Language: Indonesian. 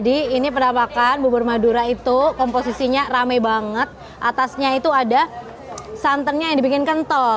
ini penampakan bubur madura itu komposisinya rame banget atasnya itu ada santannya yang dibikin kental